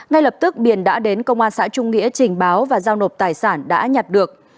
ngay lập tức biển đã đến công an xã trung nghĩa trình báo và giao nộp tài sản đã nhặt được